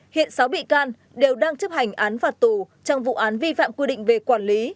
hiện sáu bị can đều đang chấp hành án phạt tù trong vụ án vi phạm quy định về quản lý